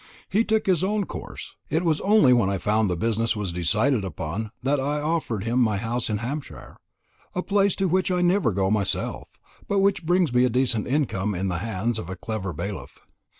He took his own course. It was only when I found the business was decided upon, that I offered him my house in Hampshire; a place to which I never go myself, but which brings me in a decent income in the hands of a clever bailiff.